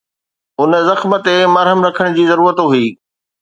ان زخم تي مرهم رکڻ جي ضرورت هئي.